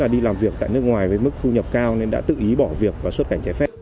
đi làm việc tại nước ngoài với mức thu nhập cao nên đã tự ý bỏ việc và xuất cảnh trái phép